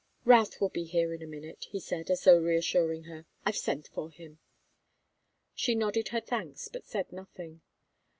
"Routh will be here in a minute," he said, as though reassuring her. "I've sent for him." She nodded her thanks, but said nothing.